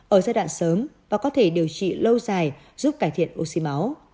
ở giai đoạn sớm và có thể điều trị lâu dài giúp cải thiện oxy máu